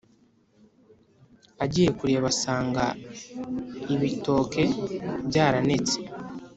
agiye kureba, asanga ibitoke byaranetse,